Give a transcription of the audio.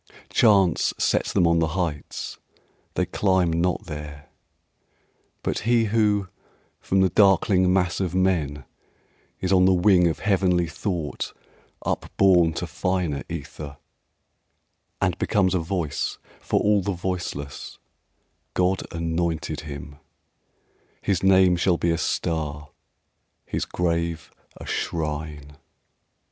Chance sets them on the heights, they climb not there! But he who from the darkling mass of men Is on the wing of heavenly thought upborne To finer ether, and becomes a voice For all the voiceless, God anointed him: His name shall be a star, his grave a shrine.